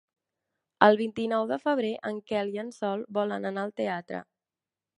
El vint-i-nou de febrer en Quel i en Sol volen anar al teatre.